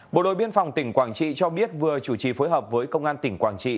bộ đội biên phòng tỉnh quảng trị cho biết vừa chủ trì phối hợp với công an tỉnh quảng trị